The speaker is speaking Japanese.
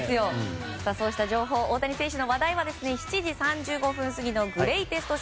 そうした情報や大谷選手の話題は７時３５分過ぎのグレイテスト